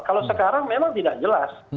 kalau sekarang memang tidak jelas